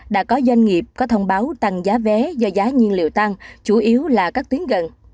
đã có doanh nghiệp có thông báo tăng giá vé do giá nhiên liệu tăng chủ yếu là các tuyến gần